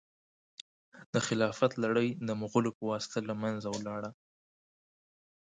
د خلافت لړۍ د مغولو په واسطه له منځه ولاړه.